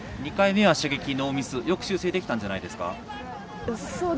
２回目は射撃ノーミスとよく修正できたんじゃないですか。